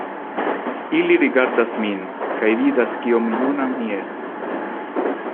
Ili rigardas min, kaj vidas kiom juna mi estas.